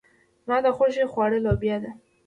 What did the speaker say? زما د خوښې خواړه لوبيا ده.